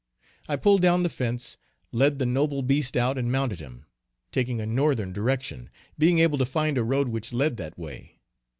I pulled down the fence, led the noble beast out and mounted him, taking a northern direction, being able to find a road which led that way.